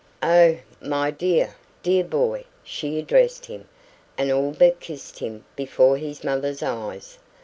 "Oh, my dear, dear boy!" she addressed him, and all but kissed him before his mother's eyes.